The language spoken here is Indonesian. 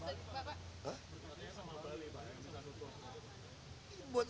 berarti sama bali banyak yang bisa tutup